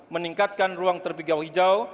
meningkatkan ruang terbuka hijau